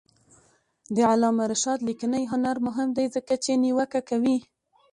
د علامه رشاد لیکنی هنر مهم دی ځکه چې نیوکه کوي.